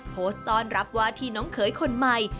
โพสต์ต้อนรับวาทีน้องเขยคนใหม่